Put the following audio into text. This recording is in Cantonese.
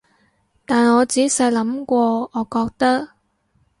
但我仔細諗過，我覺得